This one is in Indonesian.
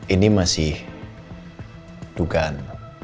ini masih dugaan